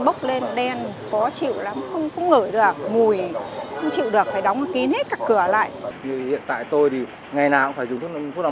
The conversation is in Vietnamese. bước lên đen khó chịu lắm không ngửi được mùi không chịu được phải đóng kín hết các cửa lại